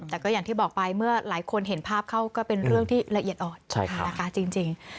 แต่ก็อย่างที่บอกไปเมื่อหลายคนเห็นภาพเข้าก็เป็นเรื่องที่ละเอียดอ่อนนะคะจริง